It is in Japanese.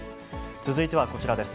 続いてはこちらです。